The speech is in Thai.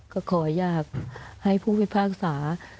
ก็ขออยากให้ผู้พิพากษา